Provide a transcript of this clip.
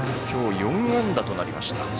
きょう４安打となりました。